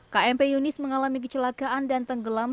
kmp yunis mengalami kecelakaan dan tenggelam